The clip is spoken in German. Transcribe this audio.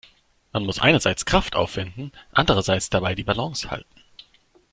Man muss einerseits Kraft aufwenden, andererseits dabei die Balance halten.